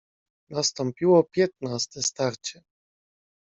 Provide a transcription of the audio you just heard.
"Nastąpiło piętnaste starcie."